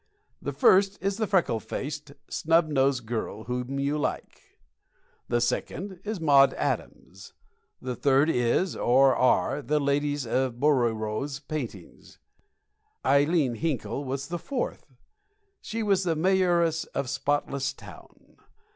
The first is the freckle faced, snub nosed girl whom you like. The second is Maud Adams. The third is, or are, the ladies in Bouguereau's paintings. Ileen Hinkle was the fourth. She was the mayoress of Spotless Town.